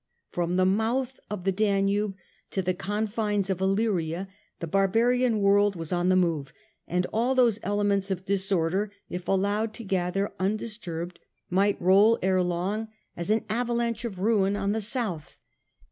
From the mouth of the Danube to the confines of Illyria the barbarian world was on the move, and all those elements of disorder, if allowed to gather undisturbed, might roll ere long as an avalanche of ruin on the south.